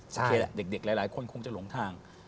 ใช่แล้วเด็กหลายคนคงจะหลงทาง